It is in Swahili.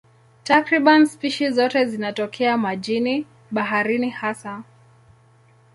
Takriban spishi zote zinatokea majini, baharini hasa.